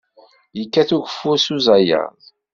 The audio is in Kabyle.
Yekkat ugeffur s uzayaḍ.